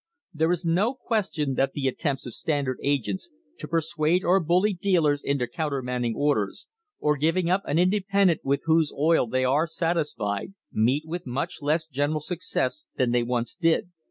There is no question that the attempts of Standard agents to persuade or bully dealers into countermanding orders, or giving up an independent with whose oil they are satisfied, meet with much less general suc cess than they once did.